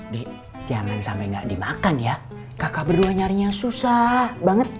dek jangan sampai nggak dimakan ya kakak berdua nyarinya susah banget